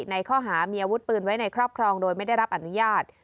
ในข้อหามีอาวุธปืนไว้ในครอบครองโดยไม่ได้รับอนุญาต